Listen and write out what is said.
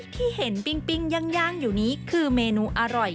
ที่เห็นปิ้งย่างอยู่นี้คือเมนูอร่อย